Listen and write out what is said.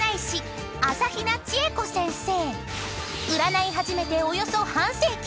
［占い始めておよそ半世紀］